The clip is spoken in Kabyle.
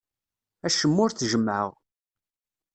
Acemma ur t-jemmɛeɣ.